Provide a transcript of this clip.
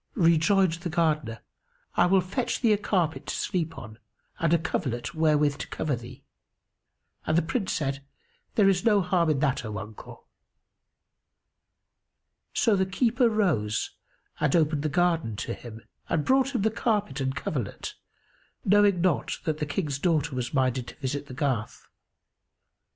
Rejoined the Gardener, "I will fetch thee a carpet to sleep on and a coverlet wherewith to cover thee;" and the Prince said, "There is no harm in that, O uncle." So the keeper rose and opened the garden to him, and brought him the carpet and coverlet, knowing not that the King's daughter was minded to visit the garth.